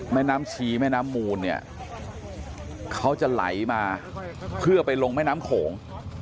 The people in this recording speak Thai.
แม่น้ำชีแม่น้ำมูลเนี่ยเขาจะไหลมาเพื่อไปลงแม่น้ำโขง